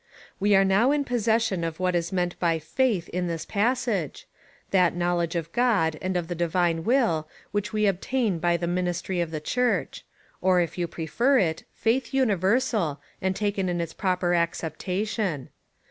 We are now in possession of what is meant by faith in this passage — that knowledge of God and of the divine will, which we obtain by the min istry of the Church ; or, if you prefer it, faith universal, and taken in its proper acceptation.